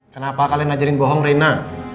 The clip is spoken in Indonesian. kenapa kalian ajarin bohong reina